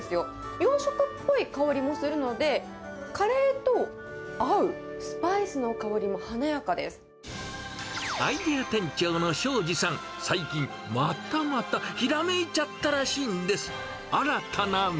洋食っぽい香りもするので、カレーと合う、スパイスの香りもアイデア店長の庄司さん、最近、またまたひらめいちゃったらしいんです。